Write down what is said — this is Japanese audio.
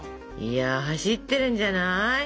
いや走ってるんじゃない？